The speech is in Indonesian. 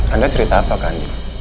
anda cerita apa ke andin